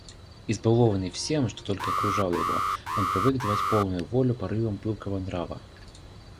Избалованный всем, что только окружало его, он привык давать полную волю порывам пылкого нрава.